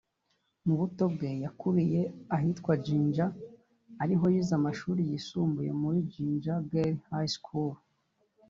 Mu buto bwe yakuriye ahitwa Jinja ari naho yize amashuri yisumbuye muri Jinja girls high School